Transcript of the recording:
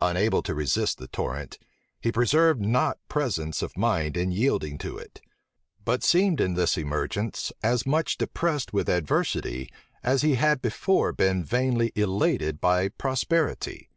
Unable to resist the torrent, he preserved not presence of mind in yielding to it; but seemed in this emergence as much depressed with adversity, as he had before been vainly elated by prosperity.